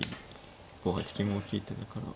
５八金も大きい手だから。